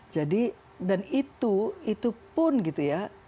jadi dan itu itu pun gitu ya